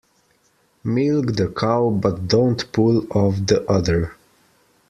Milk the cow but don't pull off the udder.